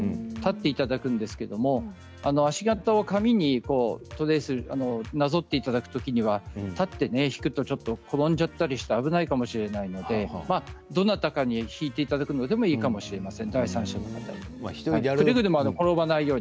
立っていただくんですけれど足型をトレースなぞっていくときには立って引きますと転んでしまったりして危ないかもしれませんけれど、どなたかに引いていただくのがいいかもしれません。